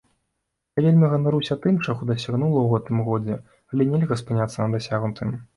Я вельмі ганаруся тым, чаго дасягнула ў гэтым годзе, але нельга спыняцца на дасягнутым.